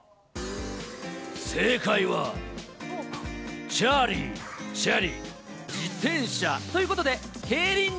正解は、チャーリー、チャリ、自転車ということで、競輪場。